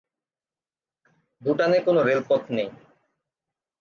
ভুটানে কোনো রেলপথ নেই।